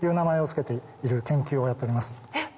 えっ？